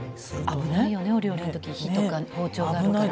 危ないよねお料理の時火とか包丁があるから。